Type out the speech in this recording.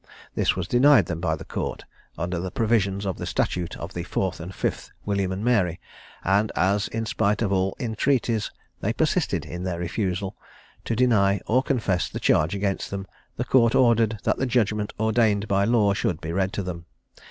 This was denied them by the Court, under the provisions of the statute of the 4th & 5th William and Mary; and as, in spite of all entreaties, they persisted in their refusal, to deny or confess the charge against them, the Court ordered that the judgment ordained by law should be read to them.